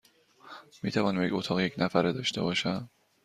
می توانم یک اتاق یک نفره داشته باشم؟